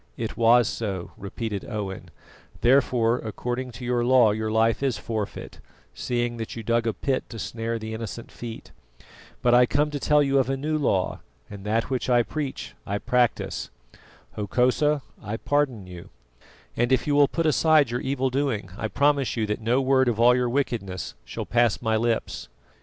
"It was so," repeated Owen; "therefore, according to your law your life is forfeit, seeing that you dug a pit to snare the innocent feet. But I come to tell you of a new law, and that which I preach I practise. Hokosa, I pardon you, and if you will put aside your evil doing, I promise you that no word of all your wickedness shall pass my lips."